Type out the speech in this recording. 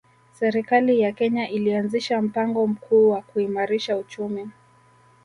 Serikali ya Kenya ilianzisha mpango mkuu wa kuimarisha uchumi